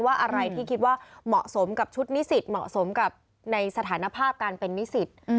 อะไรที่คิดว่าเหมาะสมกับชุดนิสิตเหมาะสมกับในสถานภาพการเป็นนิสิต